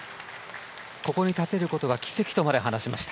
ここに立てることが奇跡とまで話しました。